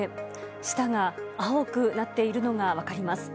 舌が青くなっているのが分かります。